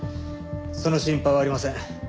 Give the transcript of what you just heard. その心配はありません。